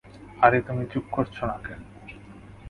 আরে তুমি চুপ করছ না কেন?